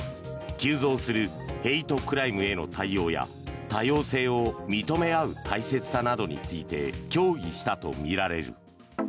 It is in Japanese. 急増するヘイトクライムへの対応や多様性を認め合う大切さなどについて協議したとみられる。